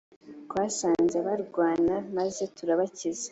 twasanze barwana maze turabakiza